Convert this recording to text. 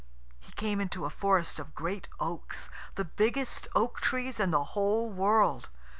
He came into a forest of great oaks, the biggest oak trees in the whole world.